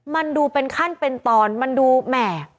มันดูเป็นขั้นเป็นตอนมันดูแหม่